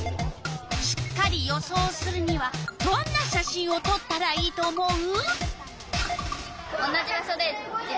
しっかり予想するにはどんな写真をとったらいいと思う？